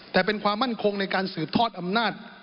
แต่เป็นความมั่นคงในการสืบทอดอำนาจ